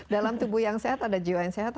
dalam tubuh yang sehat ada jiwa yang sehat